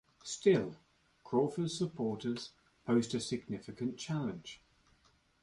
Still, Crawford's supporters posed a significant challenge.